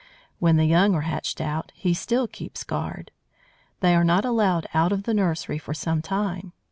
When the young are hatched out he still keeps guard. They are not allowed out of the nursery for some time.